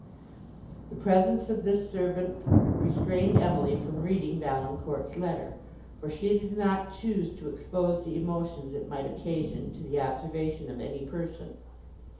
The presence of this servant restrained Emily from reading Valancourt's letter, for she did not choose to expose the emotions it might occasion to the observation of any person.